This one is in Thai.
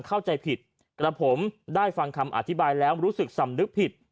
เข้าใจผิดกระผมได้ฟังคำอธิบายแล้วรู้สึกสำนึกผิด